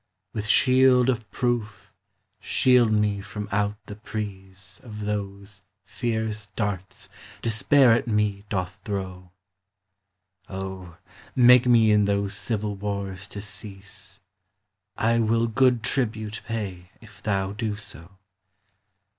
With shield of proof shield me from out the prease* Of those fierce darts Despair at me doth throw; O, make me in those civil wars to cease : I will good tribute pay, if thou do so.